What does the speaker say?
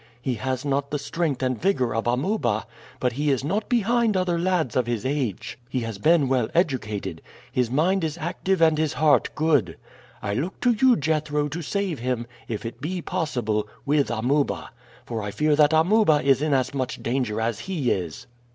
He has not the strength and vigor of Amuba, but he is not behind other lads of his age. He has been well educated. His mind is active and his heart good. I look to you, Jethro, to save him, if it be possible, with Amuba, for I fear that Amuba is in as much danger as he is.